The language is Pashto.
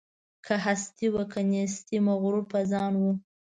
که هستي وه که نیستي مغرور په ځان وو